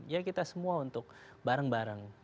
ya kita semua untuk bareng bareng